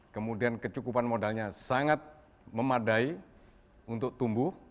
kemudian kecukupan modalnya sangat memadai untuk tumbuh